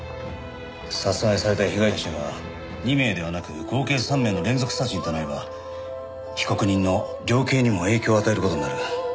殺害された被害者が２名ではなく合計３名の連続殺人となれば被告人の量刑にも影響を与える事になる。